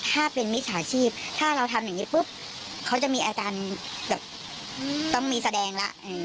ถ้าเป็นมิสาชีพถ้าเราทำแบบนี้ปุ๊บเขาจะมีแอดการต้องมีแสดงละ